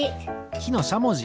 きのしゃもじ。